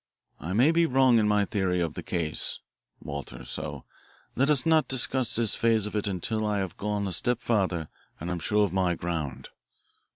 I may be wrong in my theory of the case, Walter, so let us not discuss this phase of it until I have gone a step farther and am sure of my ground.